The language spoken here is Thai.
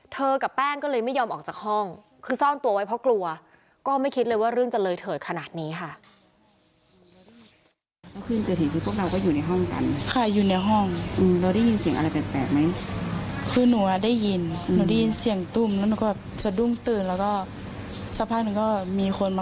กับแป้งก็เลยไม่ยอมออกจากห้องคือซ่อนตัวไว้เพราะกลัวก็ไม่คิดเลยว่าเรื่องจะเลยเถิดขนาดนี้ค่ะ